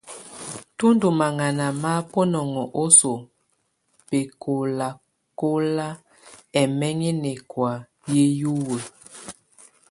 Tù ndù maŋana ma bunɔŋɔ osoo bɛkɔlakɔna ɛmɛŋɛ nɛkɔ̀á nɛ hiwǝ.